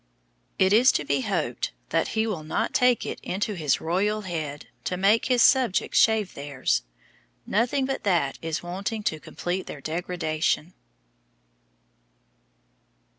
It is to be hoped that he will not take it into his royal head to make his subjects shave theirs; nothing but that is wanting to complete their degradation.